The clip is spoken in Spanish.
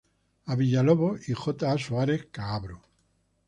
A. Villalobos y J. A. Suárez-Caabro.